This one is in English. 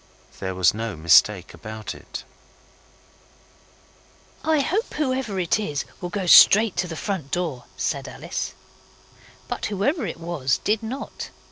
There was no mistake about it. 'I hope whoever it is will go straight to the front door,' said Alice. But whoever it was did not.